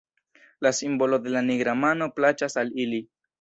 La simbolo de la nigra mano plaĉas al ili.